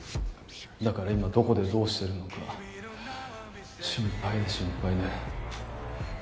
だから今どこでどうしているのか心配で心配で。